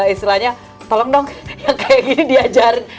istilahnya tolong dong yang kayak gini diajarin